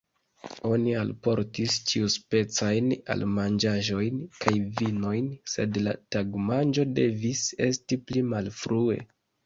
Oni alportis ĉiuspecajn almanĝaĵojn kaj vinojn, sed la tagmanĝo devis esti pli malfrue.